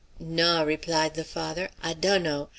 "Naw," replied the father, "I dunno.